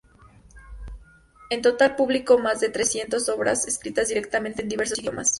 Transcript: En total publicó más de trescientas obras escritas directamente en diversos idiomas.